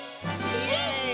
イエーイ！